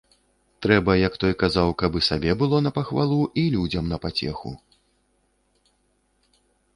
Трэба, як той казаў, каб і сабе было на пахвалу, і людзям на пацеху.